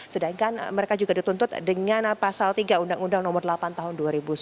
sedangkan mereka juga dituntut dengan pasal tiga undang undang nomor delapan tahun dua ribu sembilan